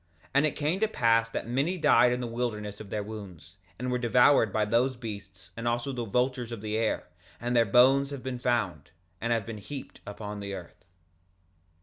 2:38 And it came to pass that many died in the wilderness of their wounds, and were devoured by those beasts and also the vultures of the air; and their bones have been found, and have been heaped up on the earth.